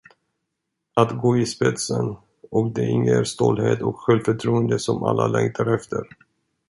Att gå i spetsen det inger stolthet och självförtroende som alla längtar efter.